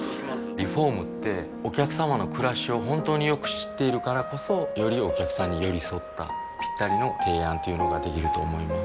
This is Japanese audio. リフォームってお客様の暮らしを本当によく知っているからこそよりお客様に寄り添ったぴったりの提案というのができると思います